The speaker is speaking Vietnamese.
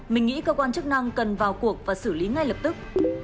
mình nghĩ cơ quan chức năng cần vào cuộc và xử lý ngay lập tức